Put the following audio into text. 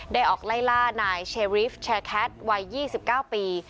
ออกไล่ล่านายเชริฟแชร์แคทวัย๒๙ปี